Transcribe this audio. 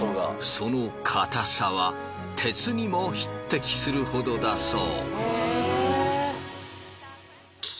その硬さは鉄にも匹敵するほどだそう。